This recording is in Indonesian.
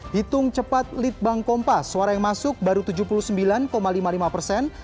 hitung cepat litbang kompas suara yang masuk baru tujuh puluh sembilan lima puluh lima persen